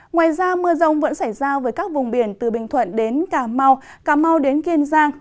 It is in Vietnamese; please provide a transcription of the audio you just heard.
ngoài ra mưa rông vẫn xảy ra với các vùng biển từ bình thuận đến cà mau cà mau đến kiên giang